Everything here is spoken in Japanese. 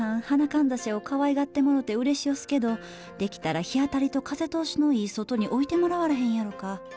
花かんざしをかわいがってもろてうれしおすけどできたら日当たりと風通しのいい外に置いてもらわれへんやろか。